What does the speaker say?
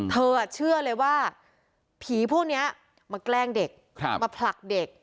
เธอเชื่อเลยว่าผีพวกนี้มาแกล้งเด็กมาผลักเด็ก